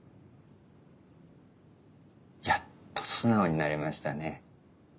やっと素直になりましたね。